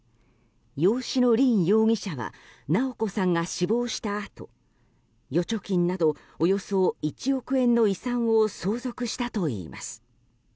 養子の凜容疑者は直子さんが死亡したあと預貯金などおよそ１億円の遺産を相続したといいます。